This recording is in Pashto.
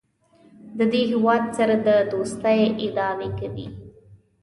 د دې هېواد سره د دوستۍ ادعاوې کوي.